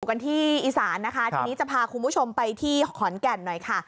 กันที่อีสานนะคะทีนี้จะพาคุณผู้ชมไปที่ขอนแก่นหน่อยค่ะ